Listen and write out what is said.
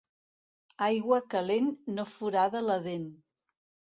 Aigua calent no forada la dent.